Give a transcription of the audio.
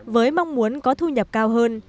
với mong muốn có thu nhập cao hơn